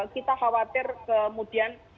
kita khawatir kemudian